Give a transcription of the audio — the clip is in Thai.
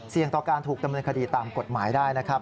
ต่อการถูกดำเนินคดีตามกฎหมายได้นะครับ